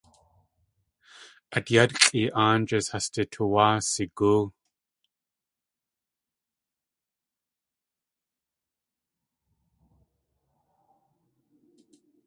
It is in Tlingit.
At yátxʼi áanjís has du tuwáa sigóo.